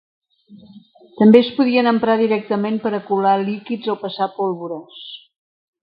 També es podien emprar directament per a colar líquids o passar pólvores.